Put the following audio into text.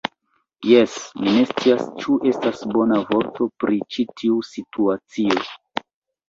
Jes, mi ne scias, ĉu estas bona vorto pri ĉi tiu situacio.